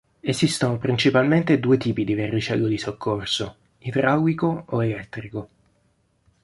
Esistono principalmente due tipi di verricello di soccorso: idraulico o elettrico.